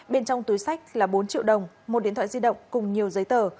bên trong túi sách là bốn triệu đồng một điện thoại di động cùng nhiều giấy tờ